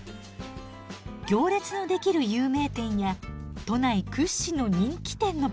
行列のできる有名店や都内屈指の人気店のパンなんです。